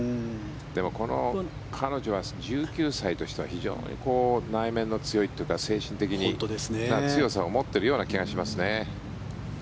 でも、彼女は１９歳としては非常に内面が強いというか精神的な強さを持っているような気がしますよね。